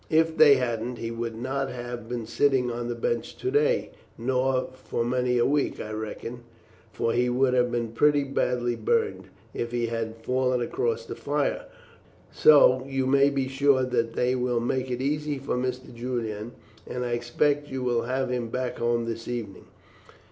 If they hadn't, he would not have been sitting on the bench to day, nor for many a week, I reckon; for he would have been pretty badly burned if he had fallen across that fire. So you may be sure that they will make it easy for Mr. Julian, and I expect you will have him back home this evening.